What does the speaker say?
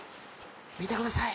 見てください